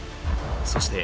そして。